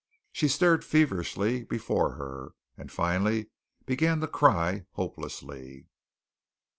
She stared feverishly before her, and finally began to cry hopelessly.